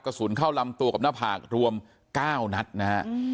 กระสุนเข้าลำตัวกับหน้าผากรวม๙นัดนะฮะ